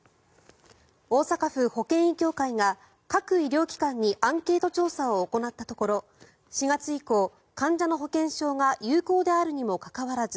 大阪府保険医協会が各医療機関にアンケート調査を行ったところ４月以降、患者の保険証が有効であるにもかかわらず